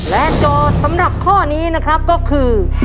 โจทย์สำหรับข้อนี้นะครับก็คือ